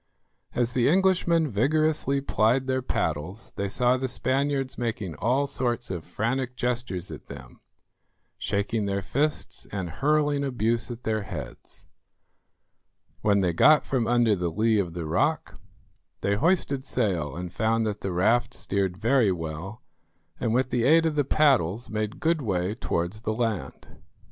As the Englishmen vigorously plied their paddles they saw the Spaniards making all sorts of frantic gestures at them, shaking their fists and hurling abuse at their heads. When they got from under the lee of the rock, they hoisted sail and found that the raft steered very well, and with the aid of the paddles made good way towards the land.